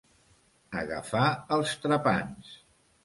Agafar els trepants.